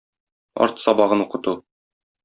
Арт сабагын укыту.